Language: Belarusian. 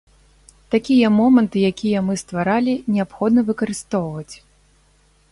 Такія моманты, якія мы стваралі, неабходна выкарыстоўваць.